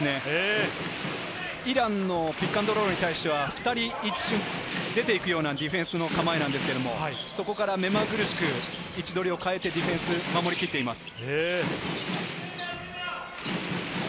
イランのピックアンドロールに対して、２人出て行くようなディフェンスの構えなんですけど、そこから目まぐるしく位置取りを変えてディフェンス、守り切っています。